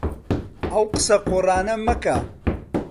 ئەو قسە قۆڕانە مەکە.